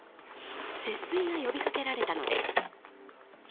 節水が呼びかけられたのです。